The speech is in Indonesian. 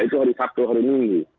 itu hari sabtu hari minggu